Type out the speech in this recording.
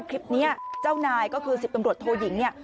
คลิปนี้เจ้านายก็คือ๑๐ตำรวจโทยิงเนี่ย